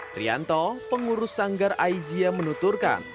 trianto pengurus sanggar aijia menuturkan